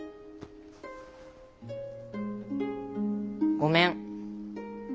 ごめん。